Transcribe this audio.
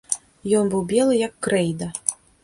Ён быў белы як крэйда.